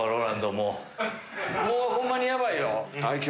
もうホンマにヤバいよ。